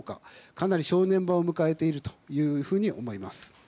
かなり正念場を迎えていると思います。